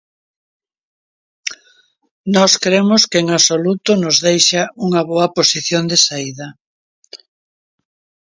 Nós cremos que en absoluto nos deixa unha boa posición de saída.